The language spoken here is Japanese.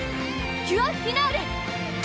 キュアフィナーレ！